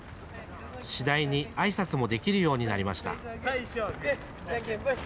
次第にあいさつもできるようになりました。